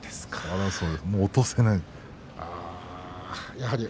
もう落とせない。